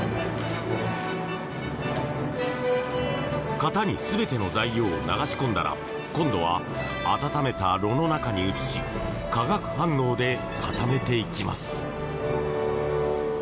型に全ての材料を流し込んだら今度は温めた炉の中に移し化学反応で固めていきます。